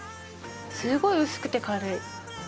すごい薄くて軽い。